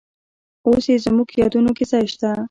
اوس یې زموږ یادونو کې ځای شته.